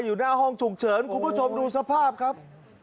อยู่หน้าห้องฉุกเฉินคุณผู้ชมดูสภาพครับ